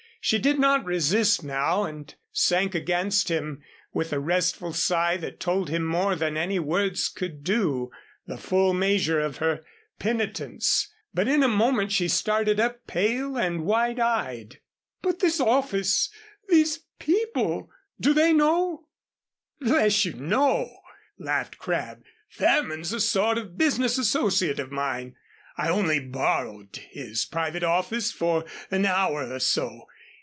She did not resist now and sank against him with a restful sigh that told him more than any words could do the full measure of her penitence. But in a moment she started up pale and wide eyed. "But this office these people do they know " "Bless you, no," laughed Crabb. "Fairman's a sort of business associate of mine. I only borrowed his private office for an hour or so.